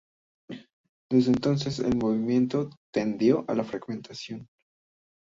Desde entonces el movimiento tendió a la fragmentación.